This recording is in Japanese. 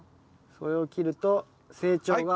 それを切ると成長が。